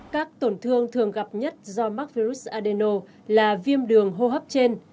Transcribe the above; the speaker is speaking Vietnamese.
các tổn thương thường gặp nhất do mắc virus adeno là viêm đường hô hấp trên